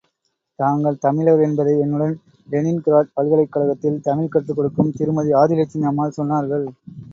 தாங்கள் தமிழர் என்பதை, என்னுடன் லெனின் கிராட் பல்கலைக் கழகத்தில் தமிழ் கற்றுக்கொடுக்கும் திருமதி ஆதிலட்சுமி அம்மாள் சொன்னார்கள்.